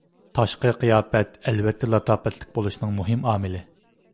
تاشقى قىياپەت ئەلۋەتتە لاتاپەتلىك بولۇشنىڭ مۇھىم ئامىلى.